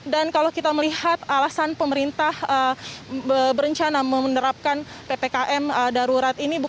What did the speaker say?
dan kalau kita melihat alasan pemerintah berencana memenerapkan ppkm darurat ini